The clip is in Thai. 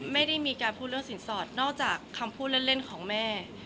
ไม่ได้มีการพูดเรื่องสินสอดนอกจากคำพูดเล่นของแม่